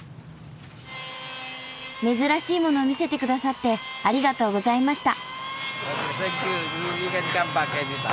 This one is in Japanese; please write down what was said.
珍しいものを見せてくださってありがとうございました。